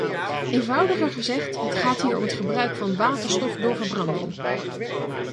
Eenvoudiger gezegd, het gaat hier om het gebruik van waterstof door verbranding.